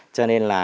cho nên là